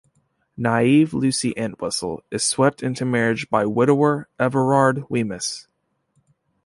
Naive Lucy Entwhistle is swept into marriage by widower, Everard Wemyss.